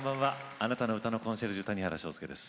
あなたの歌のコンシェルジュ谷原章介です。